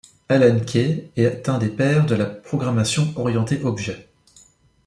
Alan Kay est un des pères de la programmation orientée objet.